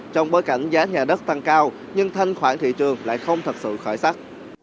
trong bối cảnh giá nhà đất tăng cao nhưng thanh khoản thị trường lại không thật sự khởi sắc